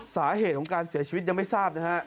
สาเหตุของการเสียชีวิตยังไม่ทราบนะฮะ